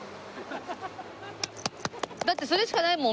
だってそれしかないもん